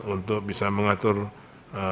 untuk bisa mengatur lalu lintas yang akan mudik ke jawa